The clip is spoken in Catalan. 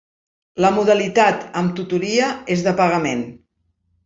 La modalitat amb tutoria és de pagament.